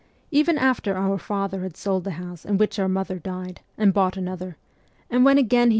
Even after our father had sold the house in which our mother died, and bought another, and when again he.